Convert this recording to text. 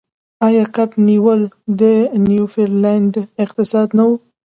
آیا کب نیول د نیوفونډلینډ اقتصاد نه و؟